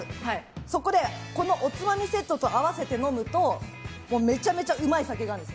そこで、このおつまみセットと合わせて飲むとめちゃめちゃうまい酒があるんです。